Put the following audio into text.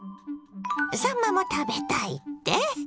さんまも食べたいって？